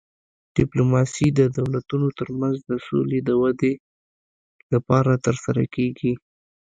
ډیپلوماسي د دولتونو ترمنځ د سولې د ودې لپاره ترسره کیږي